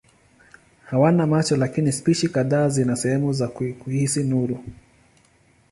Hawana macho lakini spishi kadhaa zina sehemu za kuhisi nuru.